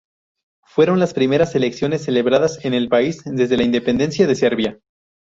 Fueron las primeras elecciones celebradas en el país desde la independencia de Serbia.